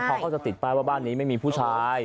แล้วเขาก็จะติดไปว่าบ้านนี้ไม่มีผู้ชาย